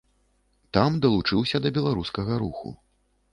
Там далучыўся да беларускага руху.